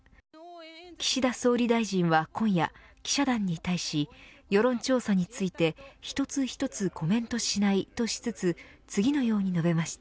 岸田総理大臣は、今夜記者団に対し、世論調査について一つ一つコメントしないとしつつ次のように述べました。